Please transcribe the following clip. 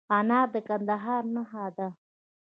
انار د کندهار نښه ده.